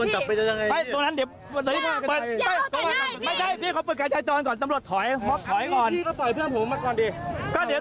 ให้ทะเลข้อเล่นเข้าไปดิทุกคนช่วยด้วย